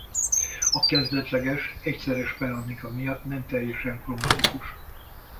A kezdetleges egyszeres mechanika miatt nem teljesen kromatikus.